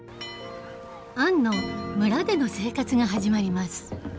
アンの村での生活が始まります。